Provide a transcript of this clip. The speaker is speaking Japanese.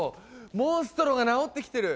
モンストロが治ってきてる！